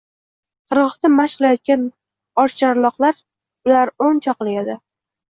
Qirg‘oqda mashq qilayotgan oqcharloqlar — ular o‘n choqli edi —